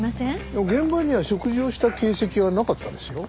でも現場には食事をした形跡はなかったんですよ。